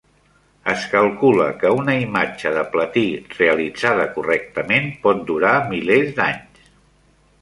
Es calcula que una imatge de platí, realitzada correctament, pot durar milers d'anys.